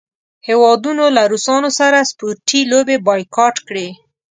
هیوادونو له روسانو سره سپورټي لوبې بایکاټ کړې.